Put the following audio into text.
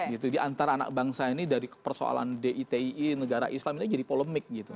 jadi antara anak bangsa ini dari persoalan diti negara islam ini jadi polemik gitu